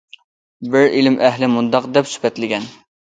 بىر ئىلىم ئەھلى مۇنداق دەپ سۈپەتلىگەن.